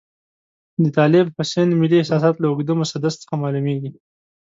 د طالب حسین ملي احساسات له اوږده مسدس څخه معلوميږي.